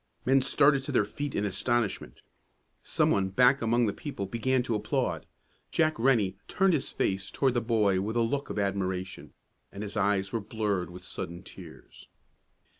Men started to their feet in astonishment. Some one back among the people began to applaud. Jack Rennie turned his face toward the boy with a look of admiration, and his eyes were blurred with sudden tears.